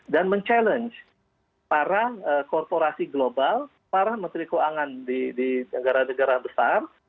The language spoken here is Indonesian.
mencabar para korporasi global para menteri keuangan di negara negara besar